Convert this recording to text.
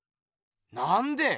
なんで？